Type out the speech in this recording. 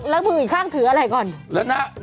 แล้วมืออีกข้างถืออะไรก่อน